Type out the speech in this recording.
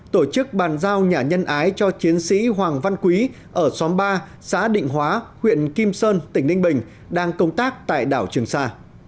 tổ chức bàn giao nhà nhân ái cho chiến sĩ hoàng văn quý ở xóm ba xã định hóa huyện kim sơn tỉnh ninh bình đang công tác tại đảo trường sa